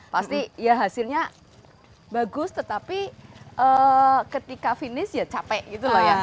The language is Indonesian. pasti ya hasilnya bagus tetapi ketika finish ya capek gitu loh ya